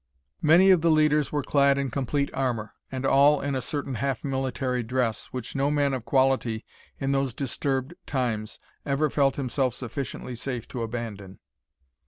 Many of the leaders were clad in complete armour, and all in a certain half military dress, which no man of quality in those disturbed times ever felt himself sufficiently safe to abandon.